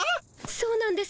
そうなんです。